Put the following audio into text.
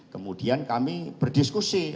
kemudian kami berdiskusi